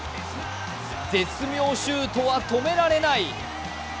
絶妙シュートは止められない。